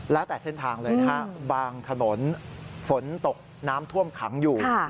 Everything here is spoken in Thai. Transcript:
แล้วแต่เส้นทางเลยนะฮะบางถนนฝนตกน้ำท่วมขังอยู่